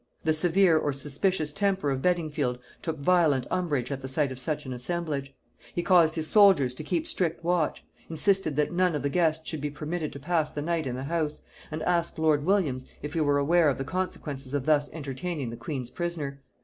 The severe or suspicious temper of Beddingfield took violent umbrage at the sight of such an assemblage: he caused his soldiers to keep strict watch; insisted that none of the guests should be permitted to pass the night in the house; and asked lord Williams if he were aware of the consequences of thus entertaining the queen's prisoner?